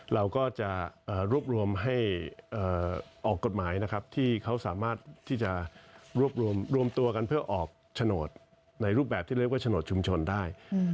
เราก็จะรวบรวมให้ออกกฎหมายนะครับที่เขาสามารถที่จะรวบรวมตัวกันเพื่อออกโฉนดในรูปแบบที่เรียกว่าโฉนดชุมชนได้